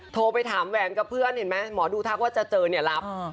โทรไปถามแหวนกับเพื่อนเห็นไหมหมอดูทักว่าจะเจอเนี่ยรับ